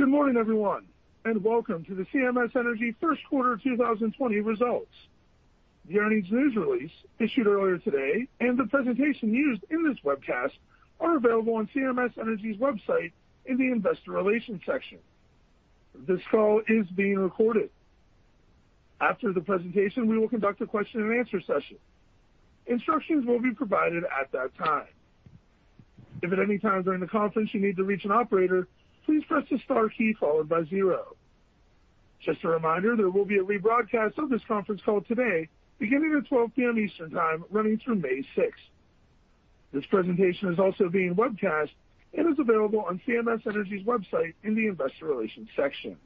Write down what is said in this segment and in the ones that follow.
Good morning, everyone, and welcome to the CMS Energy first quarter 2020 results. The earnings news release issued earlier today and the presentation used in this webcast are available on CMS Energy's website in the investor relations section. This call is being recorded. After the presentation, we will conduct a question and answer session. Instructions will be provided at that time. If at any time during the conference you need to reach an operator, please press the star key followed by zero. Just a reminder, there will be a rebroadcast of this conference call today beginning at 12:00 A.M. Eastern Time, running through May sixth. This presentation is also being webcast and is available on CMS Energy's website in the investor relations section.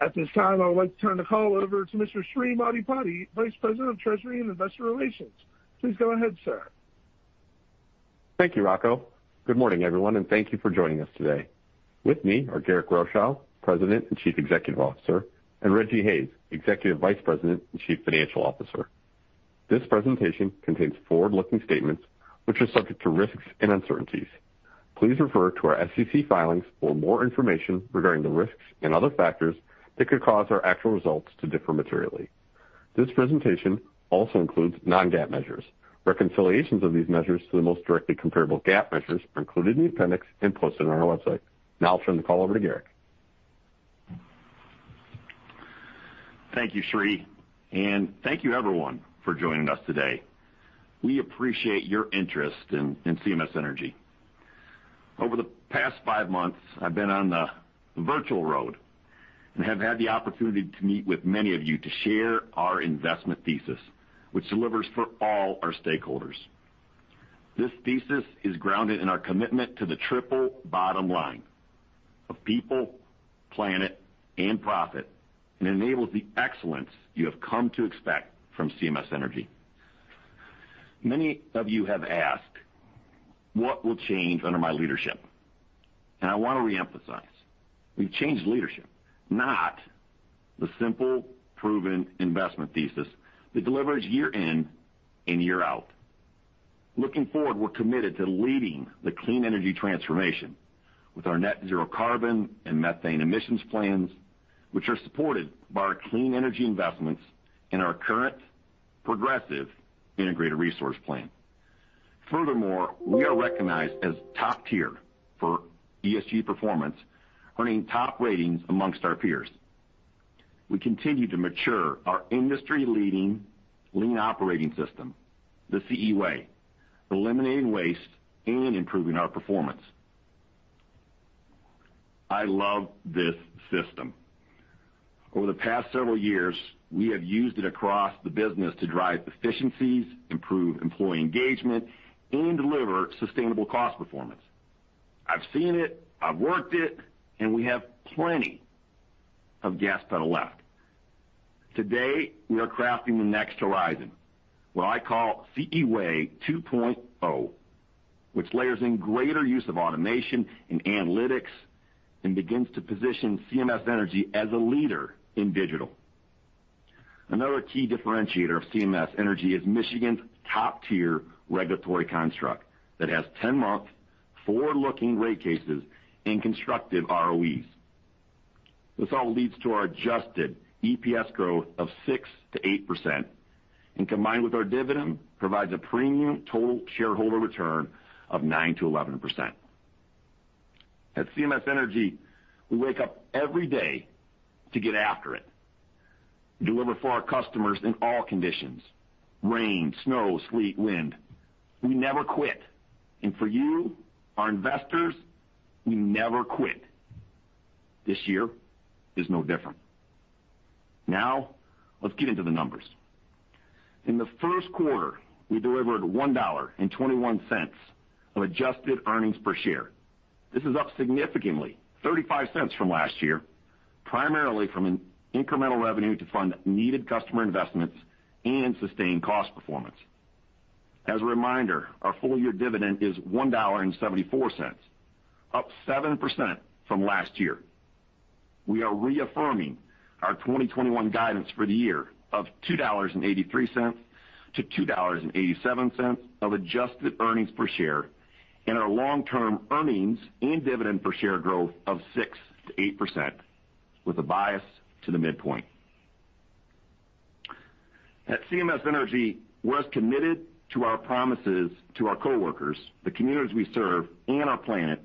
At this time, I would like to turn the call over to Mr. Srikanth Maddipati, Vice President of Treasury and Investor Relations. Please go ahead, sir. Thank you, Rocco. Good morning, everyone, and thank you for joining us today. With me are Garrick Rochow, President and Chief Executive Officer, and Rejji Hayes, Executive Vice President and Chief Financial Officer. This presentation contains forward-looking statements which are subject to risks and uncertainties. Please refer to our SEC filings for more information regarding the risks and other factors that could cause our actual results to differ materially. This presentation also includes non-GAAP measures. Reconciliations of these measures to the most directly comparable GAAP measures are included in the appendix and posted on our website. Now I'll turn the call over to Garrick. Thank you, Sri, and thank you, everyone, for joining us today. We appreciate your interest in CMS Energy. Over the past five months, I've been on the virtual road and have had the opportunity to meet with many of you to share our investment thesis, which delivers for all our stakeholders. This thesis is grounded in our commitment to the triple bottom line of people, planet, and profit, and enables the excellence you have come to expect from CMS Energy. Many of you have asked what will change under my leadership, and I want to reemphasize, we've changed leadership, not the simple, proven investment thesis that delivers year in and year out. Looking forward, we're committed to leading the clean energy transformation with our net zero carbon and methane emissions plans, which are supported by our clean energy investments and our current progressive integrated resource plan. Furthermore, we are recognized as top tier for ESG performance, earning top ratings amongst our peers. We continue to mature our industry-leading lean operating system, the CE Way, eliminating waste and improving our performance. I love this system. Over the past several years, we have used it across the business to drive efficiencies, improve employee engagement, and deliver sustainable cost performance. I've seen it, I've worked it, and we have plenty of gas pedal left. Today, we are crafting the next horizon, what I call CE Way 2.0, which layers in greater use of automation and analytics and begins to position CMS Energy as a leader in digital. Another key differentiator of CMS Energy is Michigan's top-tier regulatory construct that has 10-month forward-looking rate cases and constructive ROEs. This all leads to our adjusted EPS growth of 6% to 8%, and combined with our dividend, provides a premium total shareholder return of 9% to 11%. At CMS Energy, we wake up every day to get after it, deliver for our customers in all conditions: rain, snow, sleet, wind. We never quit, and for you, our investors, we never quit. This year is no different. Now, let's get into the numbers. In the first quarter, we delivered $1.21 of adjusted earnings per share. This is up significantly $0.35 from last year, primarily from an incremental revenue to fund needed customer investments and sustained cost performance. As a reminder, our full-year dividend is $1.74, up 7% from last year. We are reaffirming our 2021 guidance for the year of $2.83 to $2.87 of adjusted earnings per share and our long-term earnings and dividend per share growth of 6%-8% with a bias to the midpoint. At CMS Energy, we're as committed to our promises to our coworkers, the communities we serve, and our planet,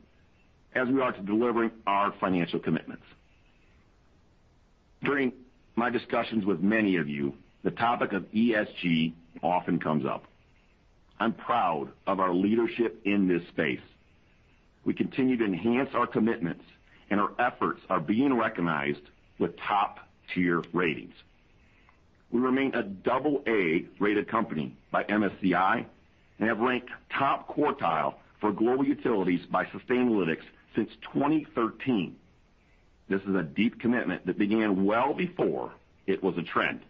as we are to delivering our financial commitments. During my discussions with many of you, the topic of ESG often comes up. I'm proud of our leadership in this space. We continue to enhance our commitments. Our efforts are being recognized with top-tier ratings. We remain a double A-rated company by MSCI and have ranked top quartile for global utilities by Sustainalytics since 2013. This is a deep commitment that began well before it was a trend.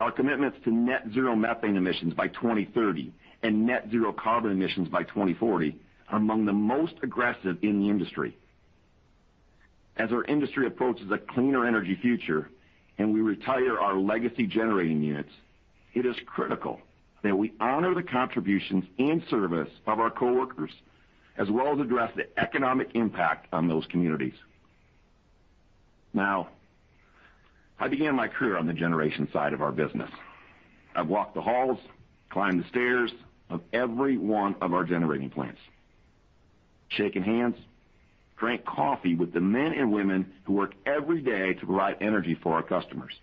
Our commitments to net zero methane emissions by 2030 and net zero carbon emissions by 2040 are among the most aggressive in the industry. As our industry approaches a cleaner energy future and we retire our legacy generating units, it is critical that we honor the contributions and service of our coworkers, as well as address the economic impact on those communities. Now, I began my career on the generation side of our business. I've walked the halls, climbed the stairs of every one of our generating plants, shaken hands, drank coffee with the men and women who work every day to provide energy for our customers.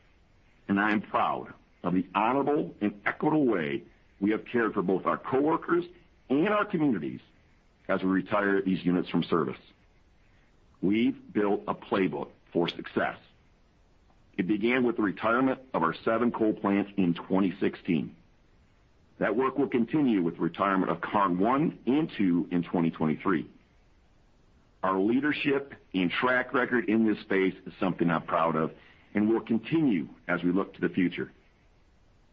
I am proud of the honorable and equitable way we have cared for both our coworkers and our communities as we retire these units from service. We've built a playbook for success. It began with the retirement of our seven coal plants in 2016. That work will continue with the retirement of Campbell 1 and 2 in 2023. Our leadership and track record in this space is something I'm proud of and will continue as we look to the future.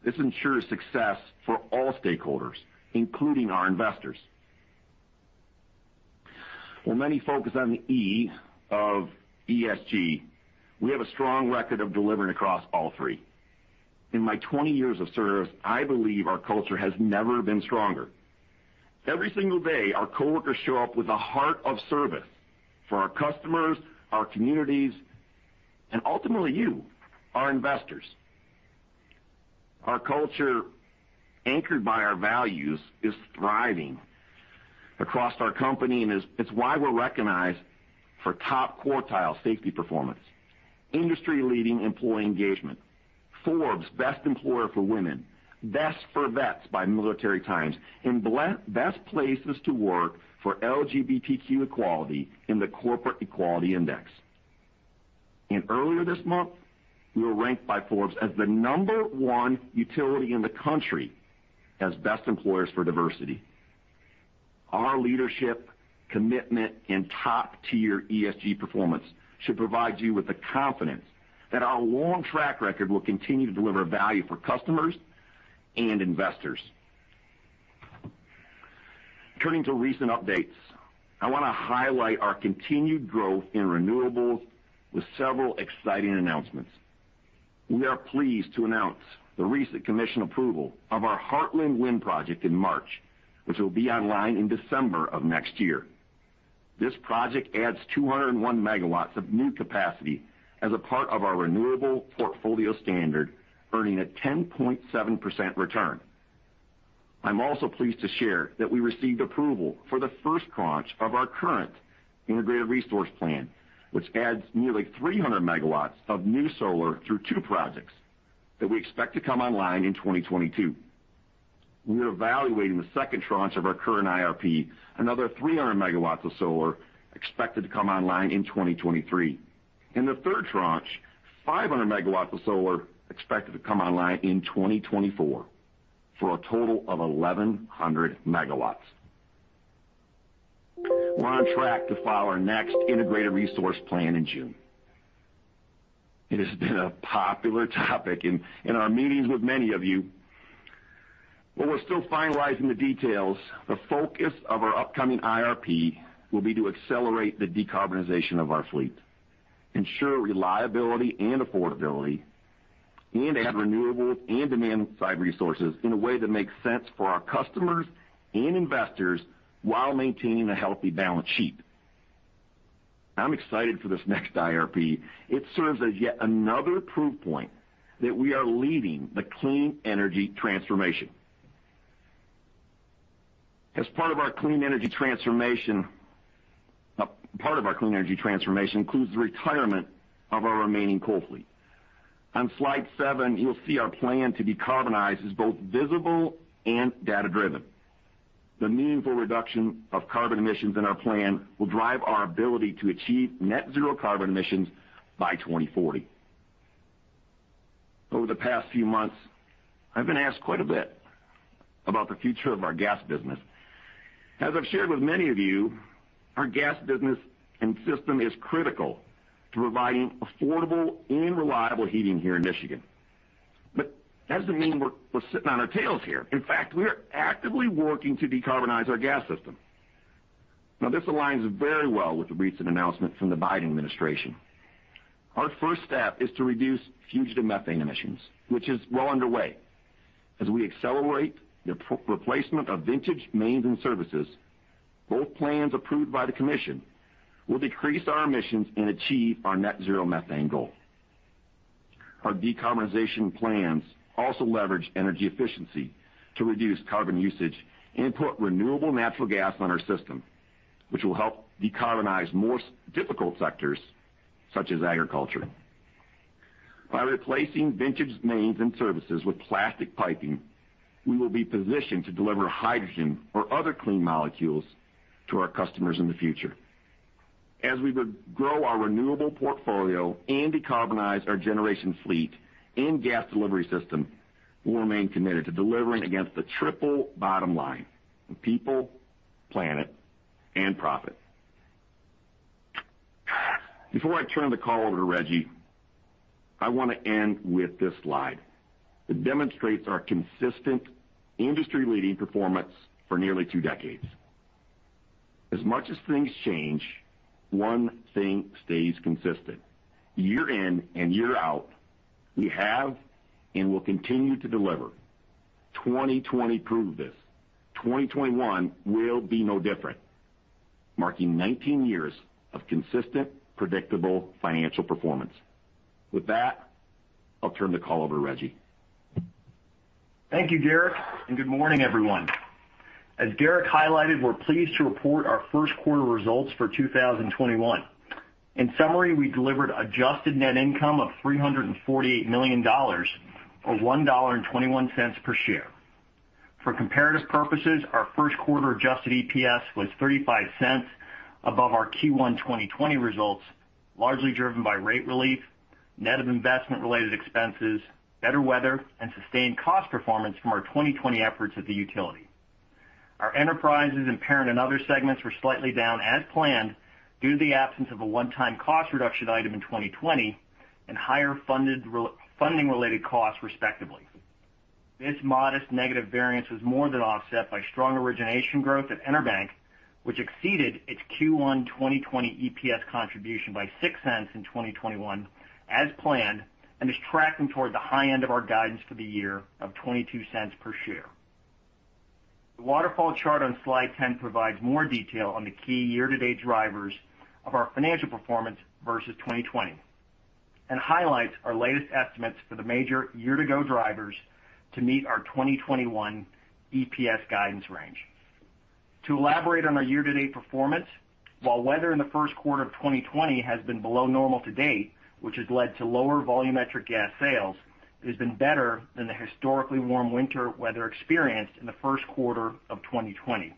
This ensures success for all stakeholders, including our investors. While many focus on the E of ESG, we have a strong record of delivering across all three. In my 20 years of service, I believe our culture has never been stronger. Every single day, our coworkers show up with a heart of service for our customers, our communities, and ultimately you, our investors. Our culture, anchored by our values, is thriving across our company, and it's why we're recognized for top quartile safety performance, industry-leading employee engagement, Forbes Best Employer for Women, Best for Vets by Military Times, and Best Places to Work for LGBTQ Equality in the Corporate Equality Index. Earlier this month, we were ranked by Forbes as the number 1 utility in the country as Best Employers for Diversity. Our leadership, commitment, and top-tier ESG performance should provide you with the confidence that our long track record will continue to deliver value for customers and investors. Turning to recent updates, I want to highlight our continued growth in renewables with several exciting announcements. We are pleased to announce the recent commission approval of our Heartland Wind project in March, which will be online in December of next year. This project adds 201 megawatts of new capacity as a part of our renewable portfolio standard, earning a 10.7% return. I'm also pleased to share that we received approval for the first tranche of our current integrated resource plan, which adds nearly 300 megawatts of new solar through two projects that we expect to come online in 2022. We are evaluating the second tranche of our current IRP, another 300 megawatts of solar expected to come online in 2023. In the third tranche, 500 megawatts of solar expected to come online in 2024, for a total of 1,100 megawatts. We're on track to file our next integrated resource plan in June. It has been a popular topic in our meetings with many of you. While we're still finalizing the details, the focus of our upcoming IRP will be to accelerate the decarbonization of our fleet, ensure reliability and affordability, and add renewables and demand side resources in a way that makes sense for our customers and investors while maintaining a healthy balance sheet. I'm excited for this next IRP. It serves as yet another proof point that we are leading the clean energy transformation. Part of our clean energy transformation includes the retirement of our remaining coal fleet. On slide seven, you'll see our plan to decarbonize is both visible and data-driven. The meaningful reduction of carbon emissions in our plan will drive our ability to achieve net zero carbon emissions by 2040. Over the past few months, I've been asked quite a bit about the future of our gas business. As I've shared with many of you, our gas business and system is critical to providing affordable and reliable heating here in Michigan. That doesn't mean we're sitting on our tails here. In fact, we are actively working to decarbonize our gas system. This aligns very well with the recent announcement from the Biden administration. Our first step is to reduce fugitive methane emissions, which is well underway, as we accelerate the replacement of vintage mains and services, both plans approved by the commission will decrease our emissions and achieve our net zero methane goal. Our decarbonization plans also leverage energy efficiency to reduce carbon usage and put renewable natural gas on our system, which will help decarbonize more difficult sectors such as agriculture. By replacing vintage mains and services with plastic piping, we will be positioned to deliver hydrogen or other clean molecules to our customers in the future. As we grow our renewable portfolio and decarbonize our generation fleet and gas delivery system, we'll remain committed to delivering against the triple bottom line of people, planet, and profit. Before I turn the call over to Rejji. I want to end with this slide that demonstrates our consistent industry-leading performance for nearly two decades. As much as things change, one thing stays consistent. Year in and year out, we have and will continue to deliver. 2020 proved this. 2021 will be no different, marking 19 years of consistent, predictable financial performance. With that, I'll turn the call over to Rejji. Thank you, Garrick, and good morning, everyone. As Garrick highlighted, we're pleased to report our first quarter results for 2021. In summary, we delivered adjusted net income of $348 million, or $1.21 per share. For comparative purposes, our first quarter adjusted EPS was $0.35 above our Q1 2020 results, largely driven by rate relief, net of investment-related expenses, better weather, and sustained cost performance from our 2020 efforts at the utility. Our enterprises and parent and other segments were slightly down as planned due to the absence of a one-time cost reduction item in 2020 and higher funding-related costs, respectively. This modest negative variance was more than offset by strong origination growth at EnerBank, which exceeded its Q1 2020 EPS contribution by $0.06 in 2021 as planned and is tracking toward the high end of our guidance for the year of $0.22 per share. The waterfall chart on slide 10 provides more detail on the key year-to-date drivers of our financial performance versus 2020 and highlights our latest estimates for the major year-to-go drivers to meet our 2021 EPS guidance range. To elaborate on our year-to-date performance, while weather in the first quarter of 2020 has been below normal to date, which has led to lower volumetric gas sales, it has been better than the historically warm winter weather experienced in the first quarter of 2020.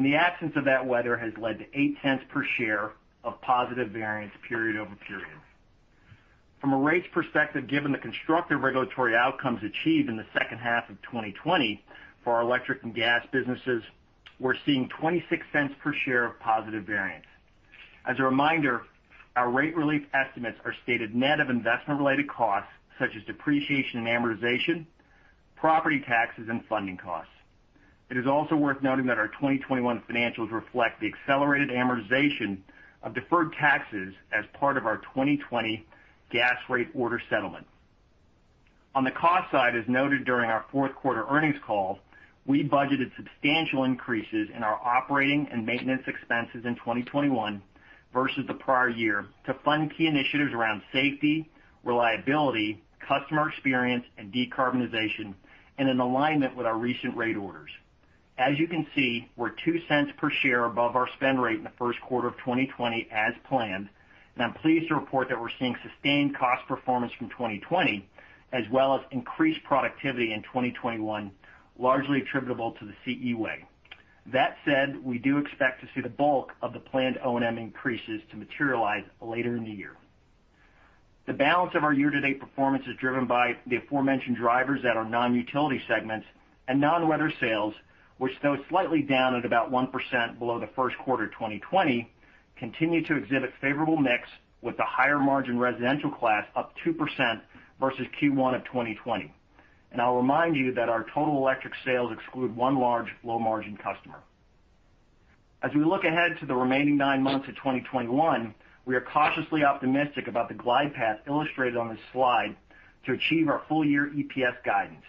The absence of that weather has led to $0.08 per share of positive variance period-over-period. From a rates perspective, given the constructive regulatory outcomes achieved in the second half of 2020 for our electric and gas businesses, we're seeing $0.26 per share of positive variance. As a reminder, our rate relief estimates are stated net of investment-related costs such as depreciation and amortization, property taxes, and funding costs. It is also worth noting that our 2021 financials reflect the accelerated amortization of deferred taxes as part of our 2020 gas rate order settlement. On the cost side, as noted during our fourth quarter earnings call, we budgeted substantial increases in our operating and maintenance expenses in 2021 versus the prior year to fund key initiatives around safety, reliability, customer experience, and decarbonization, and in alignment with our recent rate orders. As you can see, we're $0.02 per share above our spend rate in the first quarter of 2020 as planned, and I'm pleased to report that we're seeing sustained cost performance from 2020, as well as increased productivity in 2021, largely attributable to the CE Way. That said, we do expect to see the bulk of the planned O&M increases to materialize later in the year. The balance of our year-to-date performance is driven by the aforementioned drivers at our non-utility segments and non-weather sales, which though slightly down at about 1% below the first quarter 2020, continue to exhibit favorable mix with the higher margin residential class up 2% versus Q1 of 2020. I'll remind you that our total electric sales exclude one large low-margin customer. We look ahead to the remaining nine months of 2021, we are cautiously optimistic about the glide path illustrated on this slide to achieve our full year EPS guidance.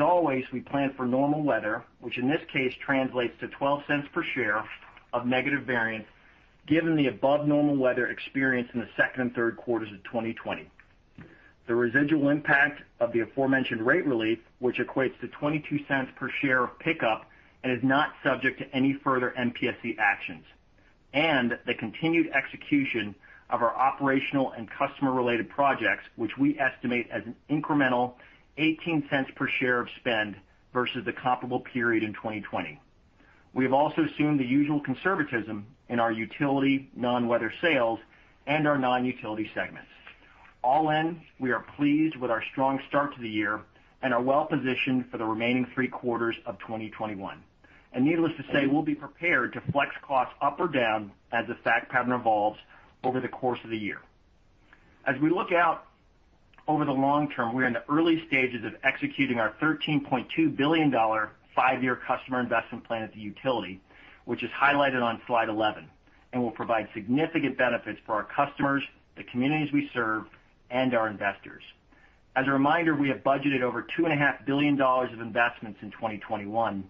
Always, we plan for normal weather, which in this case translates to $0.12 per share of negative variance given the above normal weather experienced in the second and third quarters of 2020. The residual impact of the aforementioned rate relief, which equates to $0.22 per share of pickup and is not subject to any further MPSC actions, and the continued execution of our operational and customer-related projects, which we estimate as an incremental $0.18 per share of spend versus the comparable period in 2020. We have also assumed the usual conservatism in our utility non-weather sales and our non-utility segments. All in, we are pleased with our strong start to the year and are well-positioned for the remaining three quarters of 2021. Needless to say, we'll be prepared to flex costs up or down as the fact pattern evolves over the course of the year. As we look out over the long term, we are in the early stages of executing our $13.2 billion five-year customer investment plan at the utility, which is highlighted on slide 11 and will provide significant benefits for our customers, the communities we serve, and our investors. As a reminder, we have budgeted over $2.5 billion of investments in 2021,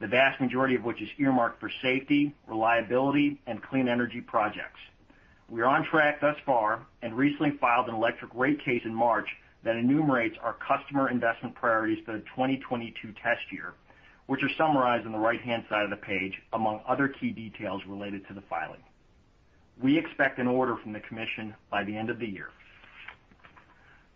the vast majority of which is earmarked for safety, reliability, and clean energy projects. We are on track thus far and recently filed an electric rate case in March that enumerates our customer investment priorities for the 2022 test year, which are summarized on the right-hand side of the page, among other key details related to the filing. We expect an order from the commission by the end of the year.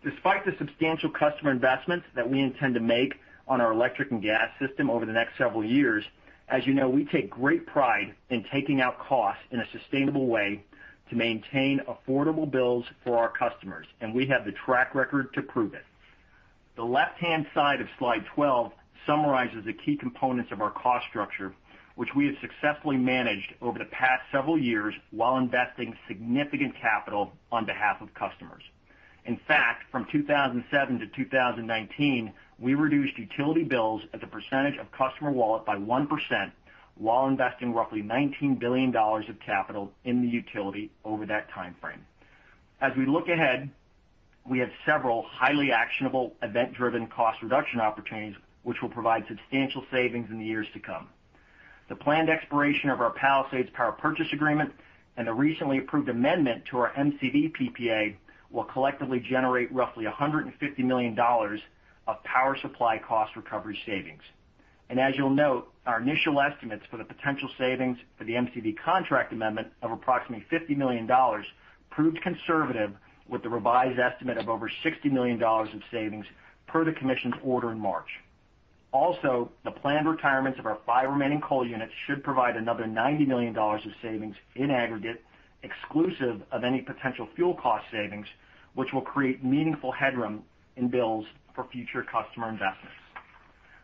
Despite the substantial customer investments that we intend to make on our electric and gas system over the next several years, as you know, we take great pride in taking out costs in a sustainable way to maintain affordable bills for our customers, and we have the track record to prove it. The left-hand side of slide 12 summarizes the key components of our cost structure, which we have successfully managed over the past several years while investing significant capital on behalf of customers. In fact, from 2007 to 2019, we reduced utility bills as a percentage of customer wallet by 1%, while investing roughly $19 billion of capital in the utility over that timeframe. As we look ahead, we have several highly actionable event-driven cost reduction opportunities, which will provide substantial savings in the years to come. The planned expiration of our Palisades power purchase agreement and the recently approved amendment to our MCV PPA will collectively generate roughly $150 million of power supply cost recovery savings. As you'll note, our initial estimates for the potential savings for the MCV contract amendment of approximately $50 million proved conservative with the revised estimate of over $60 million in savings per the commission's order in March. The planned retirements of our five remaining coal units should provide another $90 million of savings in aggregate, exclusive of any potential fuel cost savings, which will create meaningful headroom in bills for future customer investments.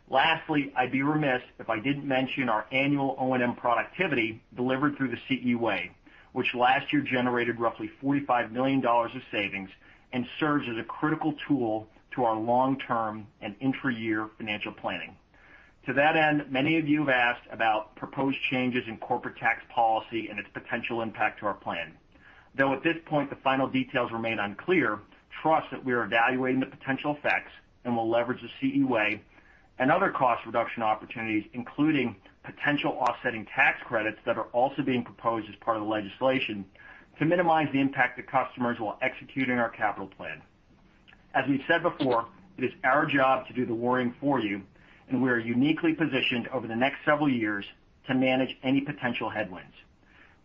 Lastly, I'd be remiss if I didn't mention our annual O&M productivity delivered through the CE Way, which last year generated roughly $45 million of savings and serves as a critical tool to our long-term and intra-year financial planning. To that end, many of you have asked about proposed changes in corporate tax policy and its potential impact to our plan. Though at this point the final details remain unclear, trust that we are evaluating the potential effects and will leverage the CE Way and other cost reduction opportunities, including potential offsetting tax credits that are also being proposed as part of the legislation to minimize the impact to customers while executing our capital plan. As we've said before, it is our job to do the worrying for you, and we are uniquely positioned over the next several years to manage any potential headwinds.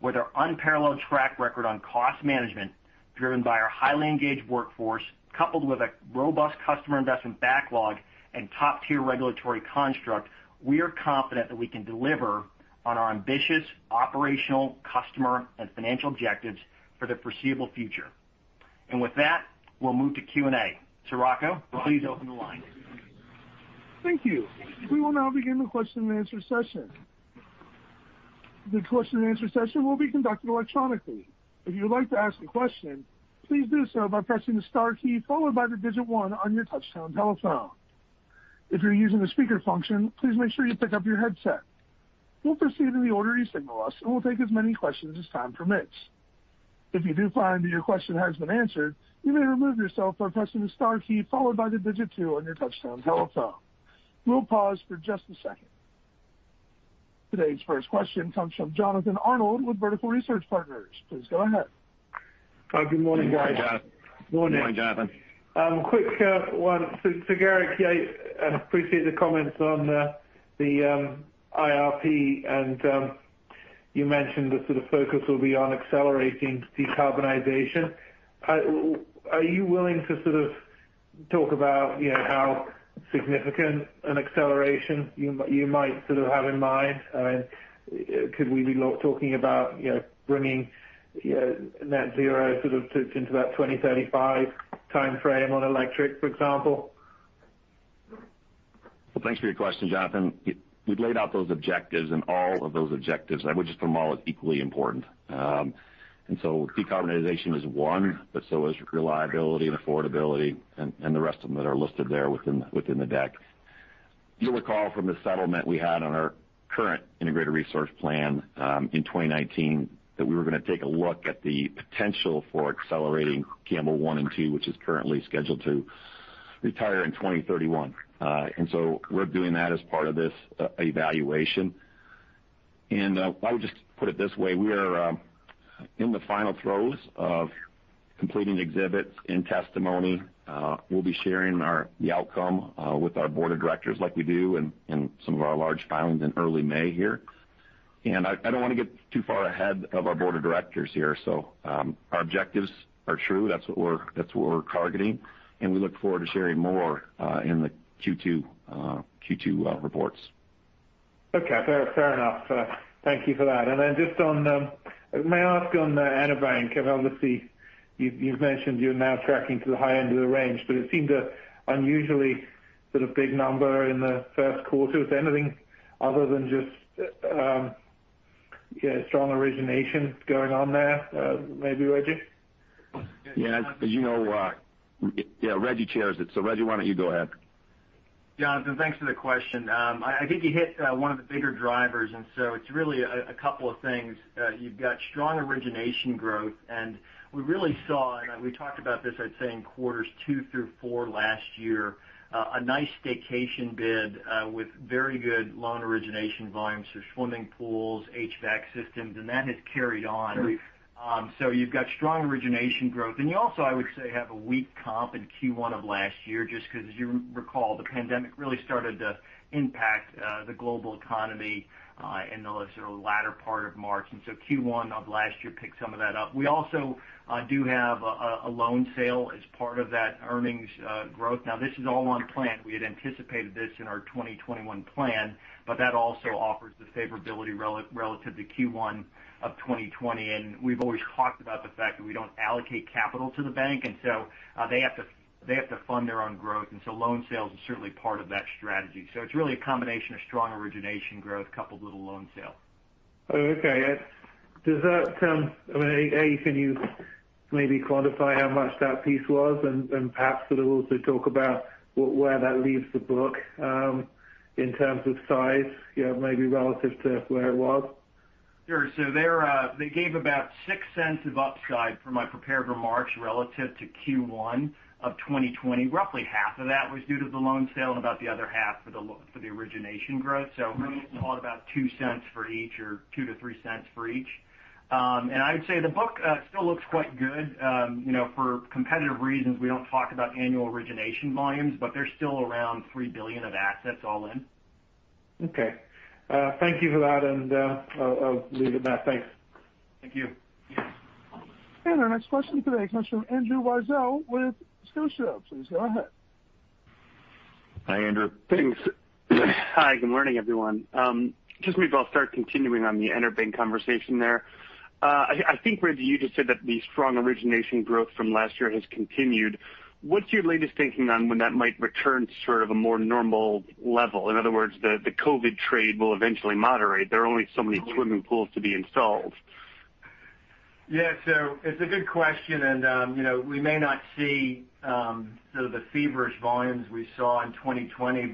With our unparalleled track record on cost management driven by our highly engaged workforce, coupled with a robust customer investment backlog and top-tier regulatory construct, we are confident that we can deliver on our ambitious operational customer and financial objectives for the foreseeable future. With that, we'll move to Q&A. Rocco, please open the line. Thank you. We will now begin the question and answer session. Today's first question comes from Jonathan Arnold with Vertical Research Partners. Please go ahead. Good morning, guys. Morning, Jonathan. Quick one to Garrick. I appreciate the comments on the IRP. You mentioned the sort of focus will be on accelerating decarbonization. Are you willing to sort of talk about how significant an acceleration you might sort of have in mind? Could we be talking about bringing net zero sort of into that 2035 timeframe on electric, for example? Thanks for your question, Jonathan. Decarbonization is one, but so is reliability and affordability and the rest of them that are listed there within the deck. You'll recall from the settlement we had on our current integrated resource plan, in 2019, that we were going to take a look at the potential for accelerating Campbell one and two, which is currently scheduled to retire in 2031. We're doing that as part of this evaluation. I would just put it this way, we are in the final throes of completing exhibits and testimony. We'll be sharing the outcome with our board of directors like we do in some of our large filings in early May here. I don't want to get too far ahead of our board of directors here. Our objectives are true. That's what we're targeting, and we look forward to sharing more in the Q2 reports. Okay. Fair enough. Thank you for that. Just on, may I ask on EnerBank, given, obviously, you've mentioned you're now tracking to the high end of the range, but it seemed a unusually sort of big number in the first quarter. Is there anything other than just strong origination going on there, maybe, Rejji? Yeah. Rejji chairs it. Rejji, why don't you go ahead? Jonathan, thanks for the question. I think you hit one of the bigger drivers, it's really a couple of things. You've got strong origination growth, we really saw, and we talked about this, I'd say, in quarters two through four last year, a nice staycation bid with very good loan origination volumes. Swimming pools, HVAC systems, that has carried on. Great. You've got strong origination growth. You also, I would say, have a weak comp in Q1 of last year, just because, as you recall, the pandemic really started to impact the global economy in the sort of latter part of March. Q1 of last year picked some of that up. We also do have a loan sale as part of that earnings growth. This is all on plan. We had anticipated this in our 2021 plan, but that also offers the favorability relative to Q1 of 2020. We've always talked about the fact that we don't allocate capital to the bank, and so they have to fund their load growth. Loan sales is certainly part of that strategy. It's really a combination of strong origination growth coupled with a loan sale. Okay. Can you maybe quantify how much that piece was and perhaps sort of also talk about where that leaves the book, in terms of size maybe relative to where it was? Sure. They gave about $0.06 of upside from my prepared remarks relative to Q1 2020. Roughly half of that was due to the loan sale and about the other half for the origination growth. Really it's about $0.02 for each or $0.02-$0.03 for each. I would say the book still looks quite good. For competitive reasons, we don't talk about annual origination volumes, but they're still around $3 billion of assets all in. Okay. Thank you for that, and I'll leave it at that. Thanks. Thank you. Our next question today comes from Andrew Weisel with Scotia Capital. Please go ahead. Hi, Andrew. Thanks. Hi, good morning, everyone. Just maybe I'll start continuing on the EnerBank conversation there. I think, Rejji, you just said that the strong origination growth from last year has continued. What's your latest thinking on when that might return to sort of a more normal level? In other words, the COVID trade will eventually moderate. There are only so many swimming pools to be installed. Yeah. It's a good question, and we may not see sort of the feverish volumes we saw in 2020.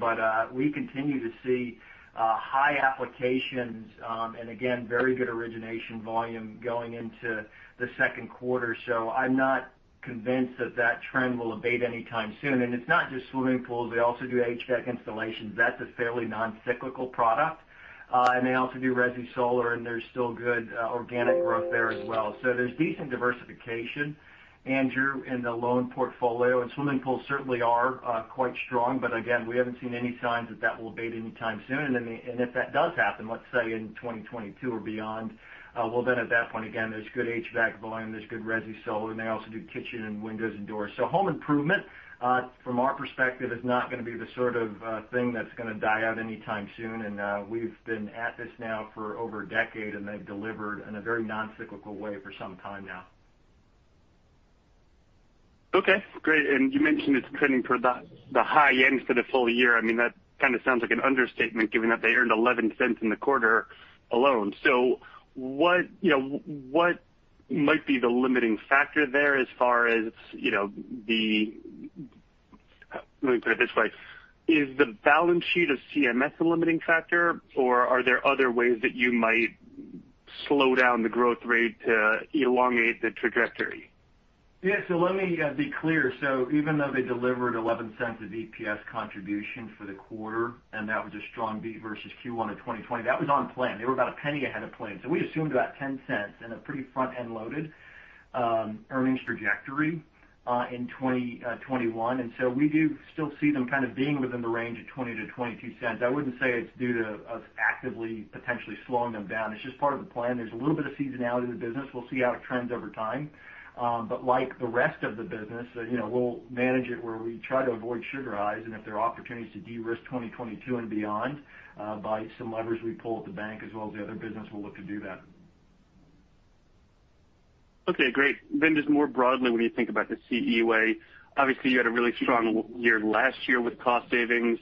We continue to see high applications, and again, very good origination volume going into the second quarter. I'm not convinced that that trend will abate anytime soon. It's not just swimming pools. They also do HVAC installations. That's a fairly non-cyclical product. They also do resi solar, and there's still good organic growth there as well. There's decent diversification, Andrew, in the loan portfolio. Swimming pools certainly are quite strong, but again, we haven't seen any signs that that will abate anytime soon. If that does happen, let's say in 2022 or beyond, well, then at that point, again, there's good HVAC volume, there's good resi solar, and they also do kitchen and windows and doors. Home improvement, from our perspective, is not going to be the sort of thing that's going to die out anytime soon. We've been at this now for over a decade, and they've delivered in a very non-cyclical way for some time now. Okay, great. You mentioned it's trending for the high end for the full year. That kind of sounds like an understatement given that they earned $0.11 in the quarter alone. What might be the limiting factor there as far as. Let me put it this way. Is the balance sheet of CMS the limiting factor, or are there other ways that you might slow down the growth rate to elongate the trajectory? Yeah. Let me be clear. Even though they delivered $0.11 of EPS contribution for the quarter, and that was a strong beat versus Q1 of 2020, that was on plan. They were about $0.01 ahead of plan. We assumed about $0.10 in a pretty front-end loaded earnings trajectory in 2021. We do still see them kind of being within the range of $0.20-$0.22. I wouldn't say it's due to us actively potentially slowing them down. It's just part of the plan. There's a little bit of seasonality to the business. We'll see how it trends over time. Like the rest of the business, we'll manage it where we try to avoid sugar highs and if there are opportunities to de-risk 2022 and beyond by some levers we pull at the bank as well as the other business, we'll look to do that. Okay, great. Just more broadly, when you think about the CE Way. Obviously, you had a really strong year last year with cost savings.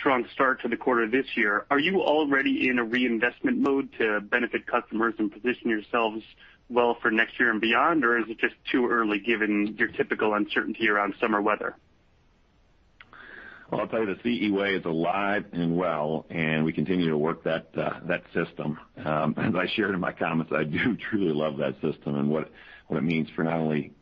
Strong start to the quarter this year. Are you already in a reinvestment mode to benefit customers and position yourselves well for next year and beyond? Or is it just too early given your typical uncertainty around summer weather? Well, I'll tell you the CE Way is alive and well, and we continue to work that system. As I shared in my comments, I do truly love that system and what it means for not only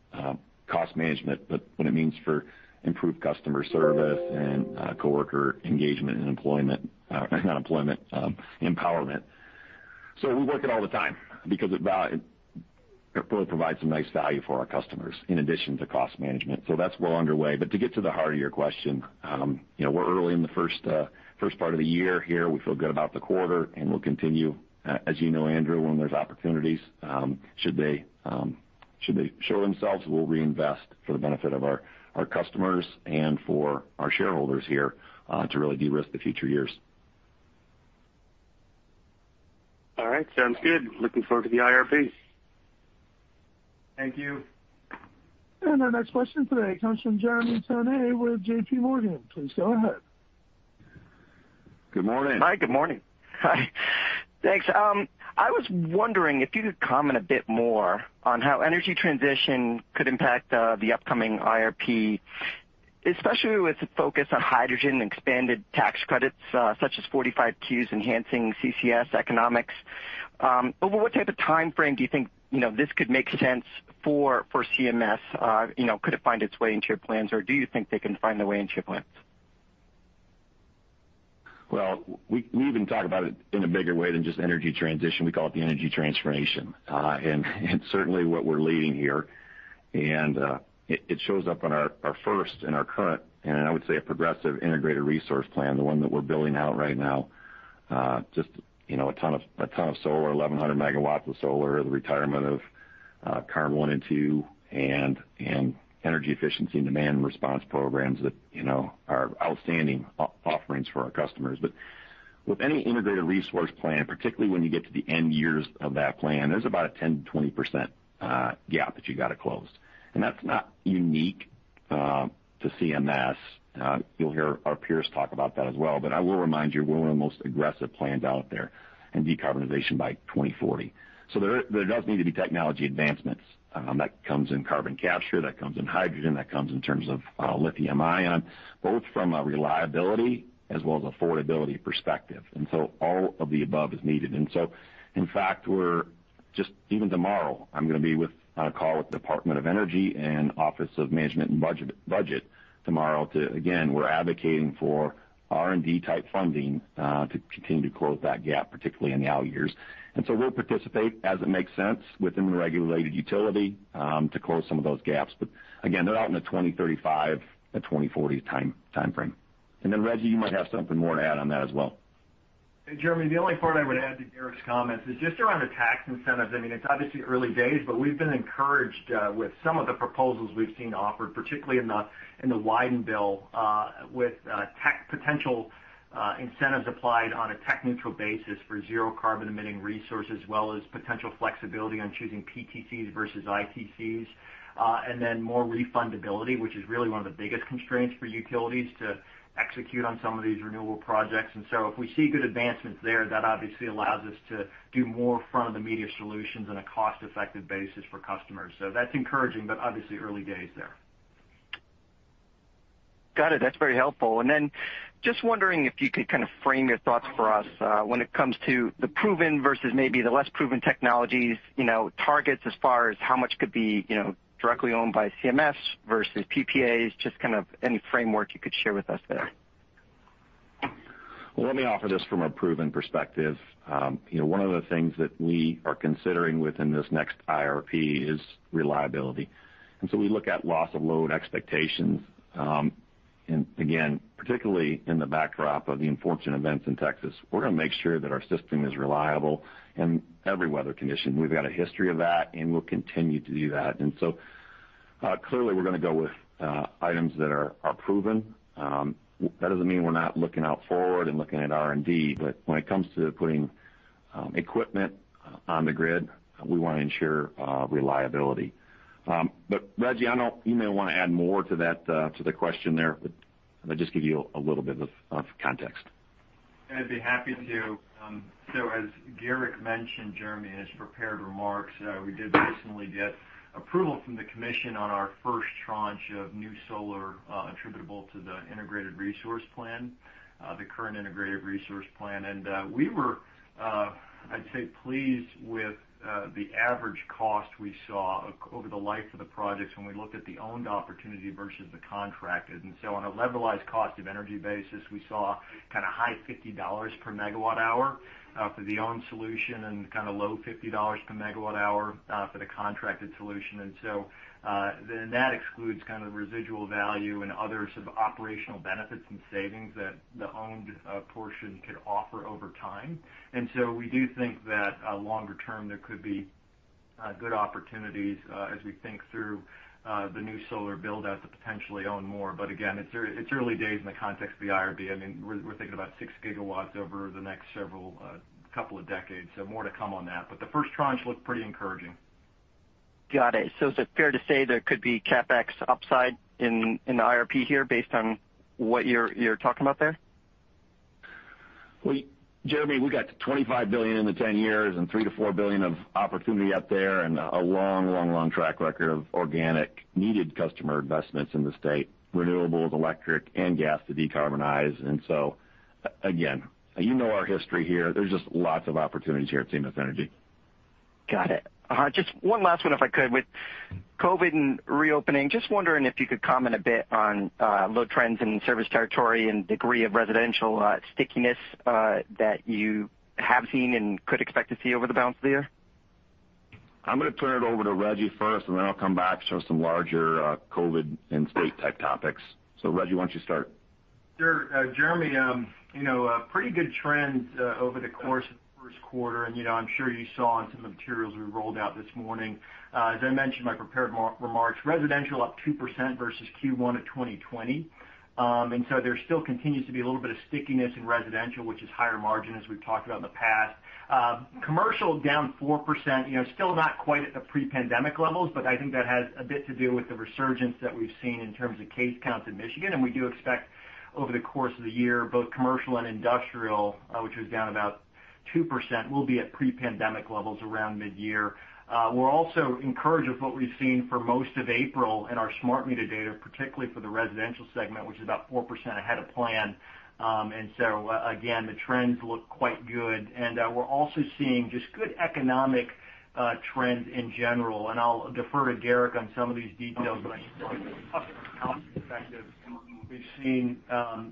cost management, but what it means for improved customer service and coworker engagement and employment. Not employment, empowerment. We work it all the time because it really provides some nice value for our customers in addition to cost management. That's well underway. To get to the heart of your question, we're early in the first part of the year here. We feel good about the quarter, and we'll continue, as you know, Andrew, when there's opportunities, should they show themselves, we'll reinvest for the benefit of our customers and for our shareholders here to really de-risk the future years. All right. Sounds good. Looking forward to the IRP. Thank you. Our next question today comes from Jeremy Tonet with JPMorgan. Please go ahead. Good morning. Hi, good morning. Hi. Thanks. I was wondering if you could comment a bit more on how energy transition could impact the upcoming IRP, especially with the focus on hydrogen and expanded tax credits such as 45Q's enhancing CCS economics. Over what type of timeframe do you think this could make sense for CMS? Could it find its way into your plans, or do you think they can find their way into your plans? We even talk about it in a bigger way than just energy transition. We call it the energy transformation. Certainly what we're leading here, and it shows up in our first and our current, and I would say a progressive integrated resource plan, the one that we're building out right now. Just a ton of solar, 1,100 megawatts of solar, the retirement of Campbell one and two and energy efficiency and demand response programs that are outstanding offerings for our customers. With any integrated resource plan, particularly when you get to the end years of that plan, there's about a 10%-20% gap that you got to close. That's not unique to CMS. You'll hear our peers talk about that as well. I will remind you, we're one of the most aggressive plans out there in decarbonization by 2040. There does need to be technology advancements. That comes in carbon capture, that comes in hydrogen, that comes in terms of lithium ion, both from a reliability as well as affordability perspective. All of the above is needed. In fact, even tomorrow, I'm going to be on a call with Department of Energy and Office of Management and Budget tomorrow to, again, we're advocating for R&D type funding to continue to close that gap, particularly in the out years. We'll participate as it makes sense within the regulated utility to close some of those gaps. Again, they're out in the 2035 to 2040 timeframe. Rejji, you might have something more to add on that as well. Jeremy, the only part I would add to Garrick's comments is just around the tax incentives. It's obviously early days, we've been encouraged with some of the proposals we've seen offered, particularly in the Wyden bill, with potential incentives applied on a tech neutral basis for zero carbon emitting resources, as well as potential flexibility on choosing PTCs versus ITCs. More refundability, which is really one of the biggest constraints for utilities to execute on some of these renewable projects. If we see good advancements there, that obviously allows us to do more front-of-the-meter solutions on a cost-effective basis for customers. That's encouraging, but obviously early days there. Got it. That's very helpful. Then just wondering if you could kind of frame your thoughts for us when it comes to the proven versus maybe the less proven technologies, targets as far as how much could be directly owned by CMS versus PPAs, just kind of any framework you could share with us there? Let me offer this from a proven perspective. One of the things that we are considering within this next IRP is reliability. We look at loss of load expectations. Again, particularly in the backdrop of the unfortunate events in Texas, we're going to make sure that our system is reliable in every weather condition. We've got a history of that, and we'll continue to do that. Clearly we're going to go with items that are proven. That doesn't mean we're not looking out forward and looking at R&D, when it comes to putting equipment on the grid, we want to ensure reliability. Rejji, you may want to add more to the question there, that just gives you a little bit of context. I'd be happy to. As Garrick mentioned, Jeremy, in his prepared remarks, we did recently get approval from the Commission on our first tranche of new solar attributable to the integrated resource plan, the current integrated resource plan. We were, I'd say, pleased with the average cost we saw over the life of the projects when we looked at the owned opportunity versus the contracted. On a levelized cost of energy basis, we saw kind of high $50 per megawatt hour for the owned solution and kind of low $50 per megawatt hour for the contracted solution. That excludes kind of residual value and other sort of operational benefits and savings that the owned portion could offer over time. We do think that longer term, there could be good opportunities as we think through the new solar build out to potentially own more. Again, it's early days in the context of the IRP. We're thinking about 6 gigawatts over the next couple of decades. More to come on that. The first tranche looked pretty encouraging. Got it. Is it fair to say there could be CapEx upside in the IRP here based on what you're talking about there? Jeremy, we got $25 billion in the 10 years and $3 billion-$4 billion of opportunity out there and a long track record of organic needed customer investments in the state, renewables, electric, and gas to decarbonize. Again, you know our history here. There's just lots of opportunities here at CMS Energy. Got it. Just one last one, if I could. With COVID and reopening, just wondering if you could comment a bit on load trends in service territory and degree of residential stickiness that you have seen and could expect to see over the balance of the year. I'm going to turn it over to Rejji first, and then I'll come back to some larger COVID and state type topics. Rejji, why don't you start? Jeremy, pretty good trends over the course of the first quarter, and I'm sure you saw in some of the materials we rolled out this morning. As I mentioned in my prepared remarks, residential up 2% versus Q1 of 2020. There still continues to be a little bit of stickiness in residential, which is higher margin, as we've talked about in the past. Commercial down 4%, still not quite at the pre-pandemic levels, but I think that has a bit to do with the resurgence that we've seen in terms of case counts in Michigan. We do expect over the course of the year, both commercial and industrial, which was down about 2%, will be at pre-pandemic levels around mid-year. We're also encouraged with what we've seen for most of April in our smart meter data, particularly for the residential segment, which is about 4% ahead of plan. Again, the trends look quite good. We're also seeing just good economic trends in general. I'll defer to Garrick on some of these details, but from a customer count perspective, we've seen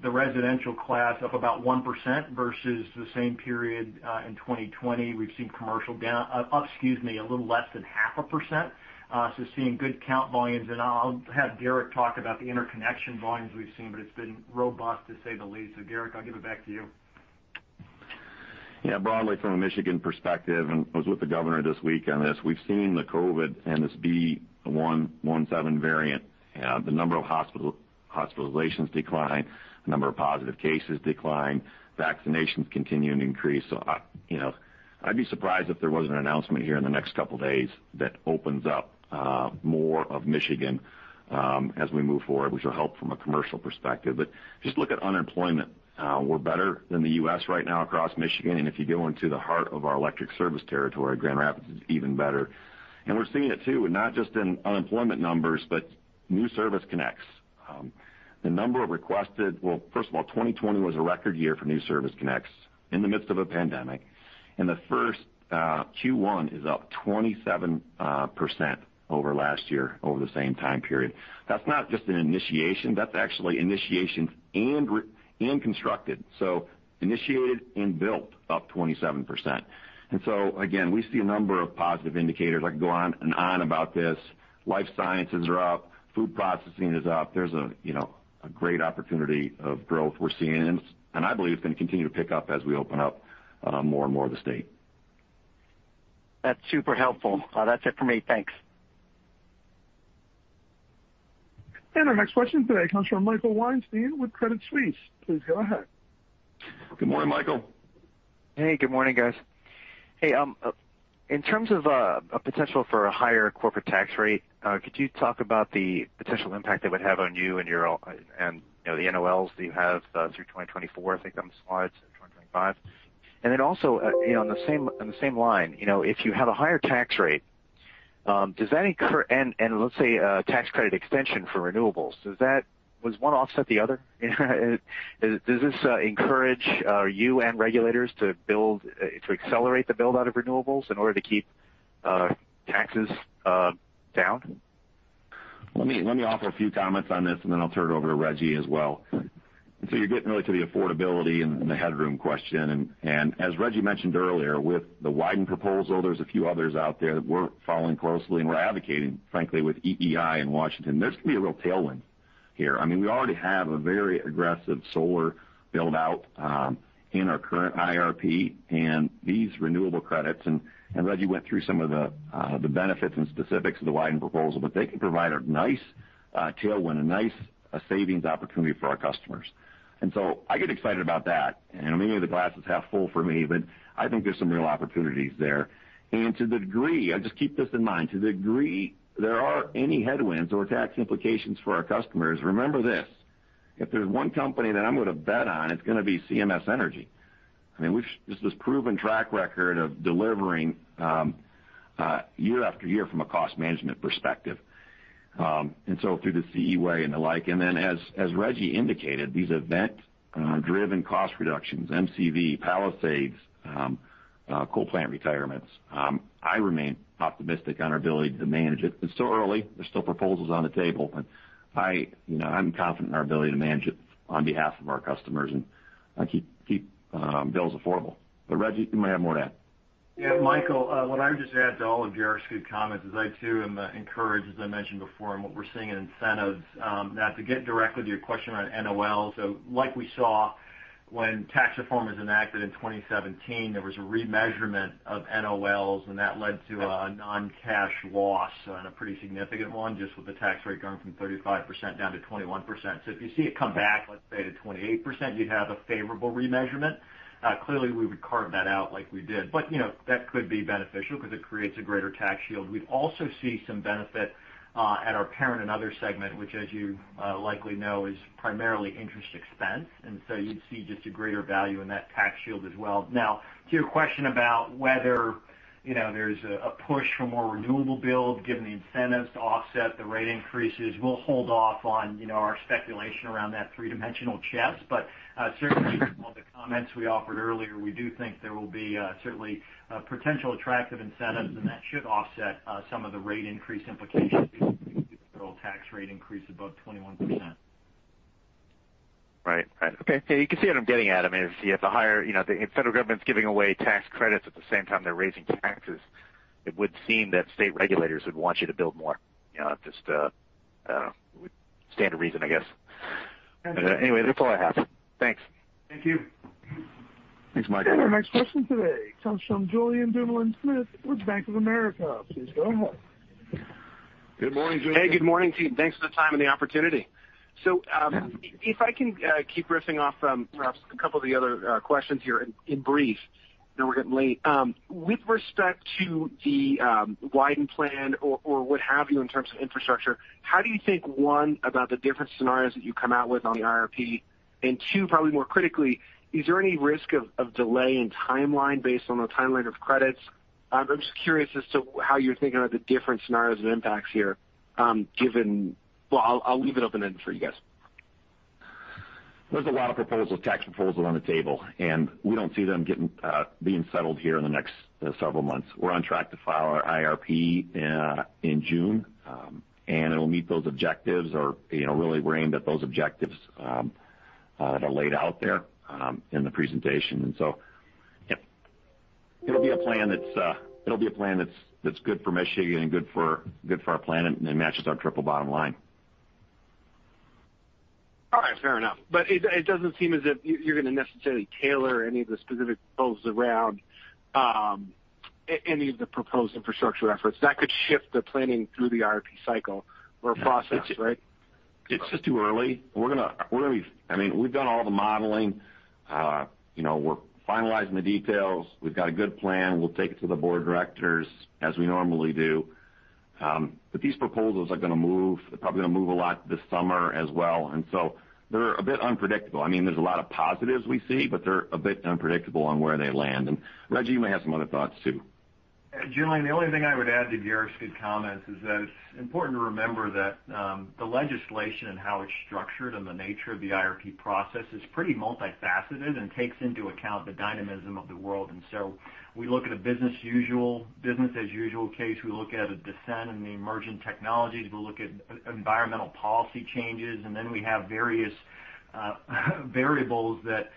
the residential class up about 1% versus the same period in 2020. We've seen commercial up a little less than half a percent. Seeing good count volumes. I'll have Garrick talk about the interconnection volumes we've seen, but it's been robust, to say the least. Garrick, I'll give it back to you. Yeah, broadly from a Michigan perspective, and I was with the governor this week on this, we've seen the COVID and this B.1.1.7 variant, the number of hospitalizations decline, the number of positive cases decline, vaccinations continue to increase. I'd be surprised if there wasn't an announcement here in the next couple of days that opens up more of Michigan as we move forward, which will help from a commercial perspective. Just look at unemployment. We're better than the U.S. right now across Michigan. If you go into the heart of our electric service territory, Grand Rapids is even better. We're seeing it too, not just in unemployment numbers, but new service connects. Well, first of all, 2020 was a record year for new service connects in the midst of a pandemic. The first Q1 is up 27% over last year, over the same time period. That's not just an initiation, that's actually initiations and constructed. Initiated and built up 27%. Again, we see a number of positive indicators. I could go on and on about this. Life sciences are up, food processing is up. There's a great opportunity of growth we're seeing, and I believe it's going to continue to pick up as we open up more and more of the state. That's super helpful. That's it for me. Thanks. Our next question today comes from Michael Weinstein with Credit Suisse. Please go ahead. Good morning, Michael. Hey, good morning, guys. In terms of a potential for a higher corporate tax rate, could you talk about the potential impact it would have on you and the NOLs that you have through 2024? I think on the slides, 2025. Also, on the same line, if you have a higher tax rate, and let's say a tax credit extension for renewables, does one offset the other? Does this encourage you and regulators to accelerate the build-out of renewables in order to keep taxes down? Let me offer a few comments on this. Then I'll turn it over to Rejji as well. You're getting really to the affordability and the headroom question. As Rejji mentioned earlier, with the Wyden proposal, there's a few others out there that we're following closely, and we're advocating, frankly, with EEI in Washington. There's going to be a real tailwind here. We already have a very aggressive solar build-out in our current IRP, and these renewable credits. Rejji went through some of the benefits and specifics of the Wyden proposal, but they can provide a nice tailwind, a nice savings opportunity for our customers. I get excited about that. Maybe the glass is half full for me, but I think there's some real opportunities there. To the degree, just keep this in mind, to the degree there are any headwinds or tax implications for our customers, remember this: if there's one company that I'm going to bet on, it's going to be CMS Energy. There's this proven track record of delivering year after year from a cost management perspective. Through the CE Way and the like. As Rejji indicated, these event-driven cost reductions, MCV, Palisades, coal plant retirements, I remain optimistic on our ability to manage it. It's still early. There's still proposals on the table, but I'm confident in our ability to manage it on behalf of our customers and keep bills affordable. Rejji, you may have more to add. Yeah, Michael, what I would just add to all of GR's good comments is I too am encouraged, as I mentioned before, on what we're seeing in incentives. To get directly to your question around NOLs, like we saw when tax reform was enacted in 2017, there was a remeasurement of NOLs, and that led to a non-cash loss, and a pretty significant one, just with the tax rate going from 35% down to 21%. If you see it come back, let's say to 28%, you'd have a favorable remeasurement. Clearly, we would carve that out like we did. That could be beneficial because it creates a greater tax shield. We'd also see some benefit at our parent and other segment, which as you likely know, is primarily interest expense, and so you'd see just a greater value in that tax shield as well. To your question about whether there's a push for more renewable build given the incentives to offset the rate increases, we'll hold off on our speculation around that three-dimensional chess. Certainly from all the comments we offered earlier, we do think there will be certainly potential attractive incentives, and that should offset some of the rate increase implications if you see the federal tax rate increase above 21%. Right. Okay. You can see what I'm getting at. If the federal government's giving away tax credits at the same time they're raising taxes, it would seem that state regulators would want you to build more. Just standard reason, I guess. Anyway, that's all I have. Thanks. Thank you. Thanks, Michael. Our next question today comes from Julien Dumoulin-Smith with Bank of America. Please go ahead. Good morning, Julien. Hey, good morning, team. Thanks for the time and the opportunity. If I can keep riffing off perhaps a couple of the other questions here in brief. I know we're getting late. With respect to the Wyden plan or what have you in terms of infrastructure, how do you think, one, about the different scenarios that you come out with on the IRP? Two, probably more critically, is there any risk of delay in timeline based on the timeline of credits? I'm just curious as to how you're thinking about the different scenarios and impacts here. Well, I'll leave it open-ended for you guys. There's a lot of tax proposals on the table, and we don't see them being settled here in the next several months. We're on track to file our IRP in June, and it'll meet those objectives or really we're aimed at those objectives that are laid out there in the presentation. It'll be a plan that's good for Michigan and good for our planet and matches our triple bottom line. Yeah, fair enough. It doesn't seem as if you're going to necessarily tailor any of the specific goals around any of the proposed infrastructure efforts that could shift the planning through the IRP cycle or process, right? It's just too early. We've done all the modeling. We're finalizing the details. We've got a good plan. We'll take it to the board of directors as we normally do. These proposals are probably going to move a lot this summer as well, and so they're a bit unpredictable. There's a lot of positives we see, but they're a bit unpredictable on where they land. Rejji may have some other thoughts, too. Julien, the only thing I would add to Garrick's good comments is that it's important to remember that the legislation and how it's structured and the nature of the IRP process is pretty multifaceted and takes into account the dynamism of the world. We look at a business as usual case, we look at a ascent in the emerging technologies, we look at environmental policy changes, and then we have various variables that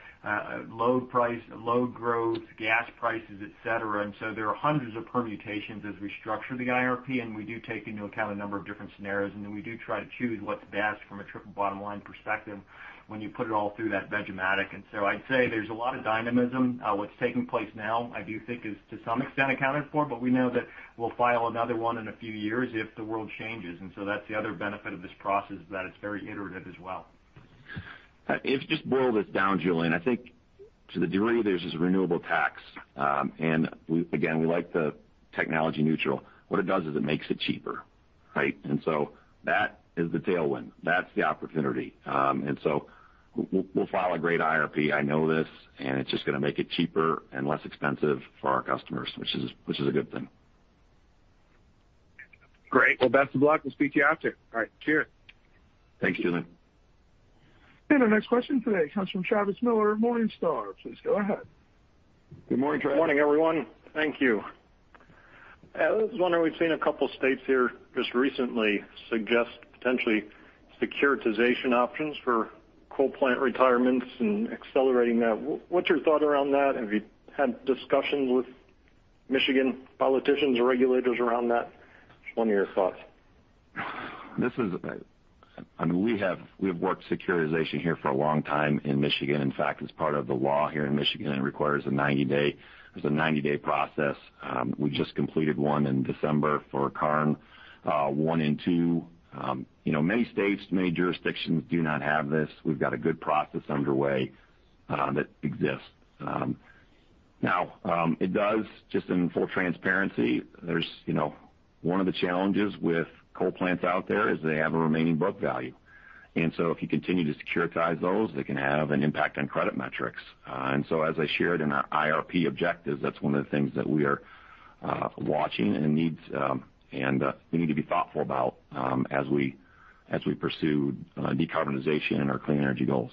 load price, load growth, gas prices, et cetera. There are hundreds of permutations as we structure the IRP, and we do take into account a number of different scenarios, and then we do try to choose what's best from a triple bottom line perspective when you put it all through that Veg-O-Matic. I'd say there's a lot of dynamism. What's taking place now, I do think is to some extent accounted for, but we know that we'll file another one in a few years if the world changes. That's the other benefit of this process, is that it's very iterative as well. If you just boil this down, Julien, I think to the degree there's this renewable tax, and again, we like the technology neutral. What it does is it makes it cheaper, right? That is the tailwind. That's the opportunity. We'll file a great IRP. I know this, and it's just going to make it cheaper and less expensive for our customers, which is a good thing. Great. Well, best of luck. We'll speak to you after. All right, cheers. Thank you, Julien. Our next question today comes from Travis Miller, Morningstar. Please go ahead. Good morning, Travis. Good morning, everyone. Thank you. I was wondering, we've seen a couple states here just recently suggest potentially securitization options for coal plant retirements and accelerating that. What's your thought around that? Have you had discussions with Michigan politicians or regulators around that? Just wondering your thoughts. We have worked securitization here for a long time in Michigan. In fact, it's part of the law here in Michigan, it requires a 90-day process. We just completed one in December for Karn 1 and 2. Many states, many jurisdictions do not have this. We've got a good process underway that exists. It does, just in full transparency, one of the challenges with coal plants out there is they have a remaining book value. If you continue to securitize those, they can have an impact on credit metrics. As I shared in our IRP objectives, that's one of the things that we are watching, and we need to be thoughtful about as we pursue decarbonization and our clean energy goals.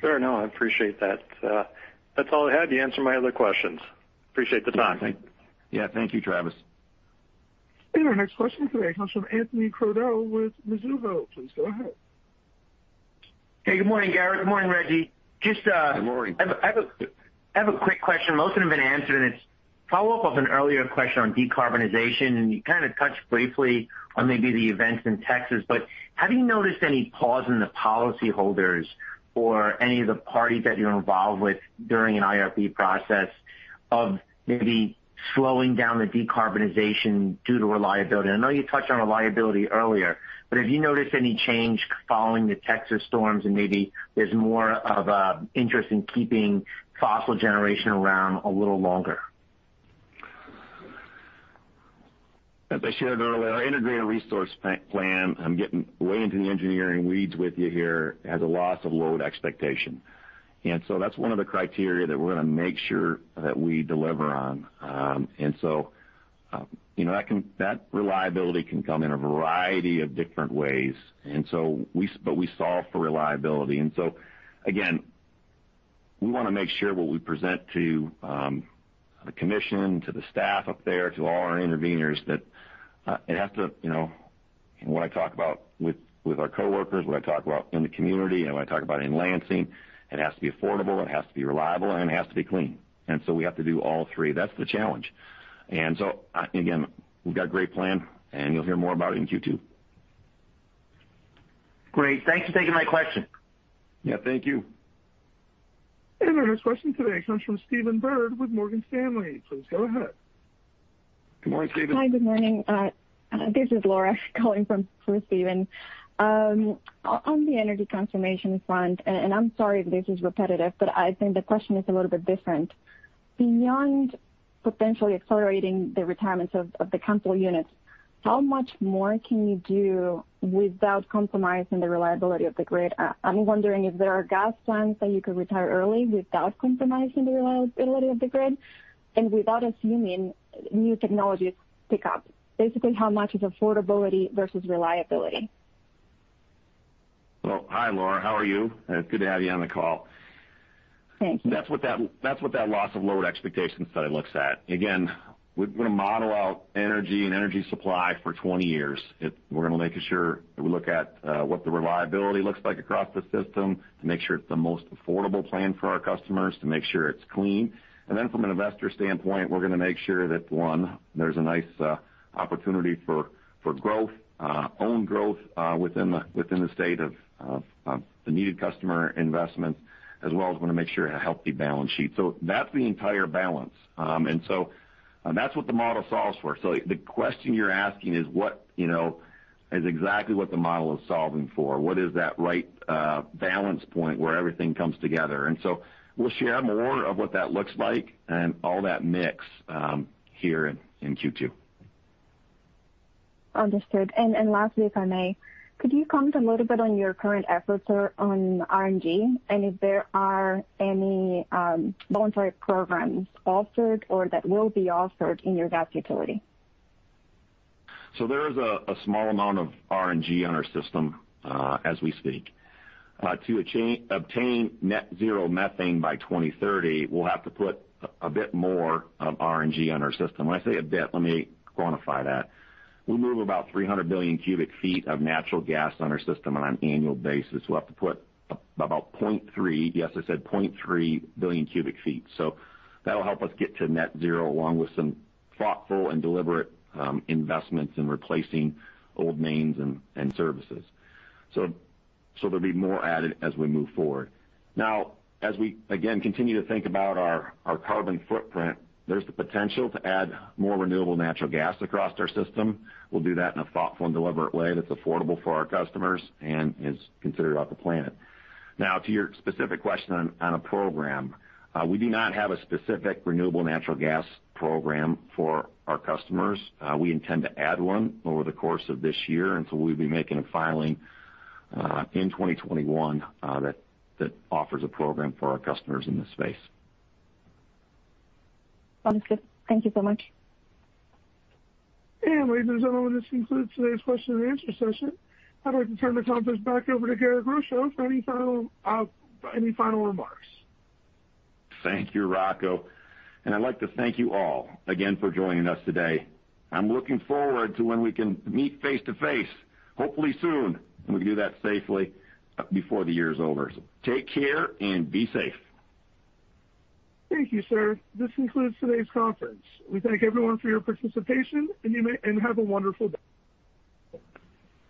Fair enough. I appreciate that. That's all I had. You answered my other questions. Appreciate the time. Yeah, thank you, Travis. Our next question today comes from Anthony Crowdell with Mizuho. Please go ahead. Hey, good morning, Garrick. Good morning, Rejji. Good morning. I have a quick question. Most of them have been answered, and it's a follow-up of an earlier question on decarbonization, and you kind of touched briefly on maybe the events in Texas. Have you noticed any pause in the policy holders or any of the parties that you're involved with during an IRP process of maybe slowing down the decarbonization due to reliability? I know you touched on reliability earlier, but have you noticed any change following the Texas storms, and maybe there's more of an interest in keeping fossil generation around a little longer? As I shared earlier, our integrated resource plan, I'm getting way into the engineering weeds with you here, has a loss of load expectation. That's one of the criteria that we're going to make sure that we deliver on. That reliability can come in a variety of different ways. We solve for reliability. Again, we want to make sure what we present to the commission, to the staff up there, to all our intervenors that it has to when I talk about with our coworkers, when I talk about in the community, and when I talk about in Lansing, it has to be affordable, it has to be reliable, and it has to be clean. We have to do all three. That's the challenge. Again, we've got a great plan, and you'll hear more about it in Q2. Great. Thanks for taking my question. Yeah, thank you. Our next question today comes from Stephen Byrd with Morgan Stanley. Please go ahead. Good morning, Stephen. Hi, good morning. This is Laura calling in for Stephen. On the energy transformation front, I'm sorry if this is repetitive, but I think the question is a little bit different. Beyond potentially accelerating the retirements of the coal units, how much more can you do without compromising the reliability of the grid? I'm wondering if there are gas plants that you could retire early without compromising the reliability of the grid and without assuming new technologies pick up. Basically, how much is affordability versus reliability? Well, hi, Laura. How are you? It's good to have you on the call. Thank you. That's what that loss of load expectation study looks at. Again, we're going to model out energy and energy supply for 20 years. We're going to make sure that we look at what the reliability looks like across the system to make sure it's the most affordable plan for our customers, to make sure it's clean. From an investor standpoint, we're going to make sure that, one, there's a nice opportunity for growth, own growth within the state of the needed customer investment, as well as want to make sure a healthy balance sheet. That's the entire balance. That's what the model solves for. The question you're asking is what is exactly what the model is solving for? What is that right balance point where everything comes together? We'll share more of what that looks like and all that mix here in Q2. Understood. Lastly, if I may, could you comment a little bit on your current efforts on RNG, and if there are any voluntary programs offered or that will be offered in your gas utility? There is a small amount of RNG on our system as we speak. To obtain net zero methane by 2030, we'll have to put a bit more of RNG on our system. When I say a bit, let me quantify that. We move about 300 billion cubic feet of natural gas on our system on an annual basis. We'll have to put about 0.3, yes, I said 0.3 billion cubic feet. That'll help us get to net zero, along with some thoughtful and deliberate investments in replacing old mains and services. There'll be more added as we move forward. As we, again, continue to think about our carbon footprint, there's the potential to add more renewable natural gas across our system. We'll do that in a thoughtful and deliberate way that's affordable for our customers and is considerate of the planet. Now to your specific question on a program. We do not have a specific renewable natural gas program for our customers. We intend to add one over the course of this year. We'll be making a filing in 2021 that offers a program for our customers in this space. Understood. Thank you so much. Ladies and gentlemen, this concludes today's question and answer session. I'd like to turn the conference back over to Garrick Rochow for any final remarks. Thank you, Rocco. I'd like to thank you all again for joining us today. I'm looking forward to when we can meet face-to-face, hopefully soon, and we can do that safely before the year is over. Take care and be safe. Thank you, sir. This concludes today's conference. We thank everyone for your participation, and have a wonderful day.